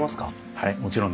はいもちろんです。